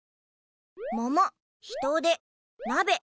ももひとでなべ。